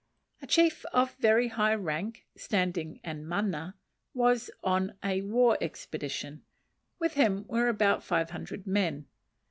A chief of very high rank, standing, and mana, was on a war expedition; with him were about five hundred men.